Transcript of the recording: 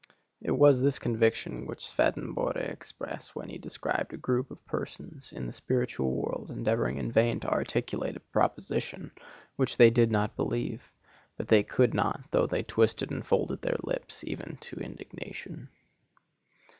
It was this conviction which Swedenborg expressed when he described a group of persons in the spiritual world endeavoring in vain to articulate a proposition which they did not believe; but they could not, though they twisted and folded their lips even to indignation.